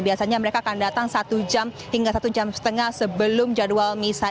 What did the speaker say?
biasanya mereka akan datang satu jam hingga satu jam setengah sebelum jadwal misah